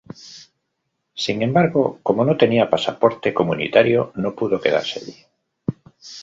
Sin embargo como no tenía pasaporte comunitario no pudo quedarse allí.